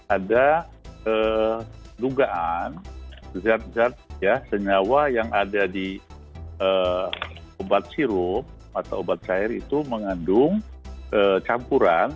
ada dugaan zat zat senyawa yang ada di obat sirup atau obat cair itu mengandung campuran